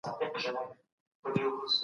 د ارمنیانو نجونې تښتول شوې وې.